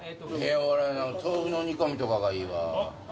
俺豆腐の煮込みとかがいいわ。